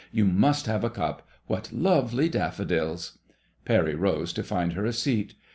You must have a cup. What lovely daffodils !" Parry rose to find her a seat.